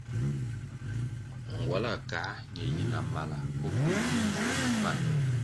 Ngwala ka ñe yi na mala o pil mimbvū mi pan.